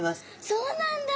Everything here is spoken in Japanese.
そうなんだ！